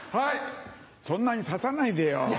そんなに指さないでよ。